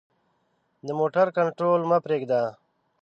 د موټر کنټرول مه پریږده.